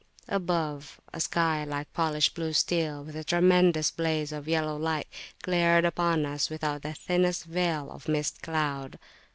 Above, a sky like polished blue steel, with a tremendous blaze of yellow light, glared upon us without the thinnest veil of mist cloud.